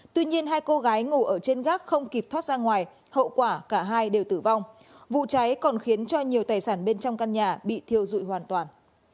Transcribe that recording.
tuy nhiên hai cô gái ngồi ở trên gác không kịp thoát ra ngoài hậu quả cả hai đều tử vong vụ cháy còn khiến cho nhiều tài sản bên trong căn nhà bị thiêu dụi hoàn toàn